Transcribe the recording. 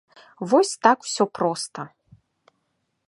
Вось так усё проста.